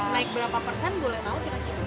naik berapa persen boleh tahu sih